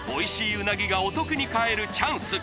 うなぎがお得に買えるチャンス